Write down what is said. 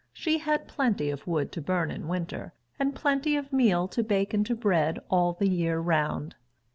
She had plenty of wood to burn in winter, and plenty of meal to bake into bread all the year round.